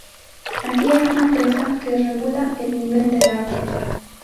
Aquí hay una presa que regula el nivel del lago.